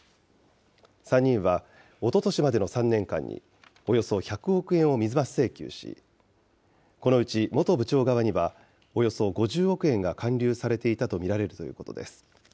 ３人はおととしまでの３年間に、およそ１００億円を水増し請求し、このうち元部長側には、およそ５０億円が環流されていたと見られるということです。